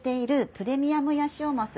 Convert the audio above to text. プレミアムヤシオマス？